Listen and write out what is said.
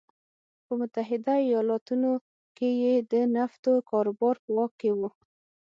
په متحده ایالتونو کې یې د نفتو کاروبار په واک کې و.